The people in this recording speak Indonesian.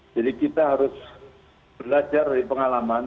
jadi kita harus belajar dari pengalaman